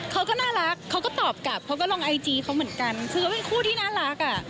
เขาก็น่ารักเขาก็ตอบกลับเขาก็ลงไอจีเขาเหมือนกันคือเขาเป็นคู่ที่น่ารักอ่ะ